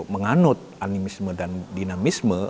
menganut animisme dan dinamisme